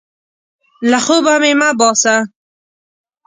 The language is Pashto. له خوبه مې مه باسه!